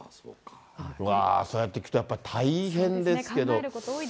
わー、そうやって聞くと、やっぱり大変ですけど。